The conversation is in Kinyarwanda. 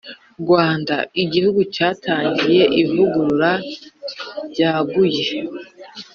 Rwanda, Igihugu cyatangiye ivugurura ryaguye